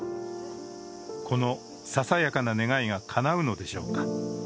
このささやかな願いがかなうのでしょうか。